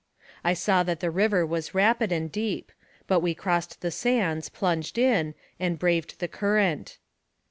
I saw that the river was rapid and deep, but we crossed the sands, plunged in, and braved the current.